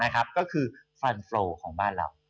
ก็คือฟันโฟลของบ้านเรา